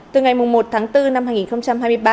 từ ngày một tháng bốn năm hai nghìn hai mươi ba